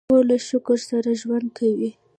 خور له شکر سره ژوند کوي.